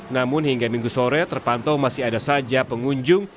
namun hingga minggu sore terpantau masih ada saja pengunjung